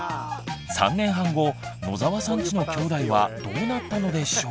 ３年半後野澤さんちのきょうだいはどうなったのでしょう。